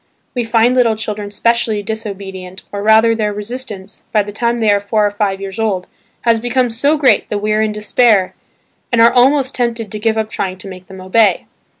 We find little children specially disobedient, or rather their resistance, by the time they are four or five years old, has become so great that we are in despair and are almost tempted to give up trying to make them obey.